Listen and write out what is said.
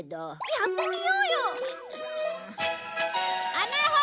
やってみようよ！